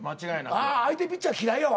ああ相手ピッチャーは嫌いやわ